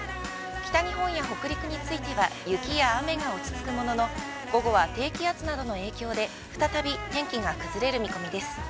北日本や北陸については、雪や雨があるものの午後は低気圧などの影響で再び天気が崩れる見込みです。